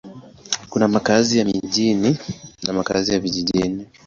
Kuna makazi ya mjini na makazi ya vijijini.